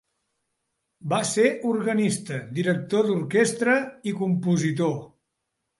Va ser organista, director d'orquestra i compositor.